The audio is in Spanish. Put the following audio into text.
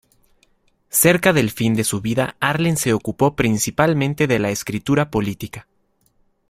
Cerca del fin de su vida, Arlen se ocupó principalmente de la escritura política.